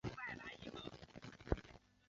后又加封信州路和铅山州。